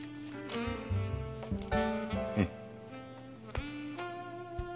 うん。